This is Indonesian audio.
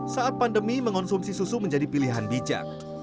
saat pandemi mengonsumsi susu menjadi pilihan bijak